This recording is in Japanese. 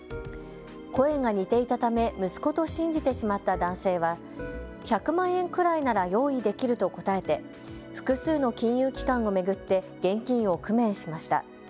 声が似ていたため息子と信じてしまった男性は１００万円くらいなら用意できると答えて複数の金融機関を巡って現金を工面しました。